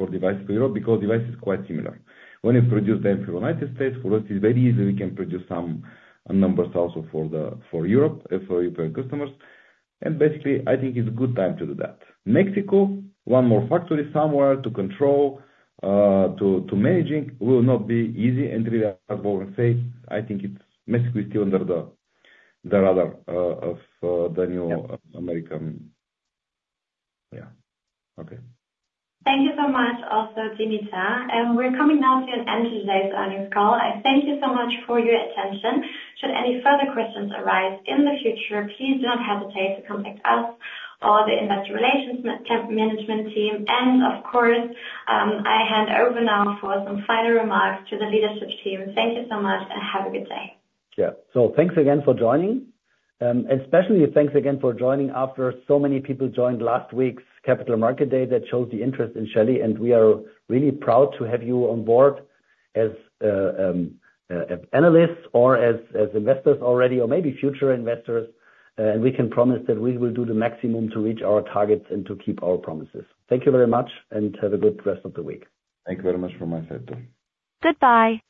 for Europe because devices are quite similar. When you produce them for the United States, for us, it's very easy. We can produce some numbers also for Europe for European customers. And basically, I think it's a good time to do that. Mexico, one more factory somewhere to control, to managing will not be easy and really hard for the USA. I think Mexico is still under the radar of the new American. Yeah. Okay. Thank you so much, also, Dimitar. And we're coming now to an end of today's earnings call. I thank you so much for your attention. Should any further questions arise in the future, please do not hesitate to contact us or the investor relations management team. And of course, I hand over now for some final remarks to the leadership team. Thank you so much and have a good day. Yeah. So thanks again for joining. And especially thanks again for joining after so many people joined last week's Capital Market Day that showed the interest in Shelly. And we are really proud to have you on board as analysts or as investors already or maybe future investors. And we can promise that we will do the maximum to reach our targets and to keep our promises. Thank you very much and have a good rest of the week. Thank you very much from my side, too. Goodbye.